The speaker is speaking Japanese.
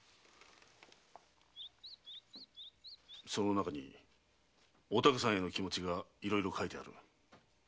その中にお竹さんへの気持ちがいろいろ書いてある。